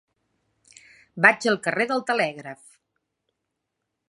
Vaig al carrer del Telègraf.